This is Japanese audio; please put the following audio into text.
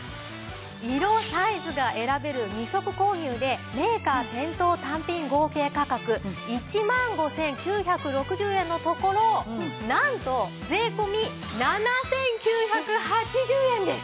色サイズが選べる２足購入でメーカー店頭単品合計価格１万５９６０円のところなんと税込７９８０円です！